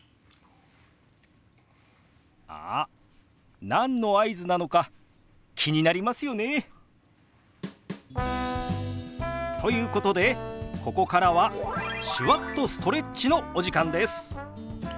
あっ何の合図なのか気になりますよね？ということでここからは手話っとストレッチのお時間です。